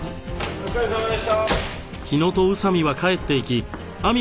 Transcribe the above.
お疲れさまでした。